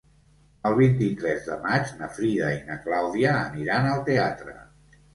El vint-i-tres de maig na Frida i na Clàudia aniran al teatre.